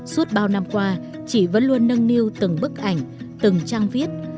suốt bao năm qua chị vẫn luôn nâng niu từng bức ảnh từng trang viết